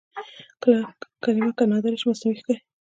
کلمه که نادره شي مصنوعي ښکاري.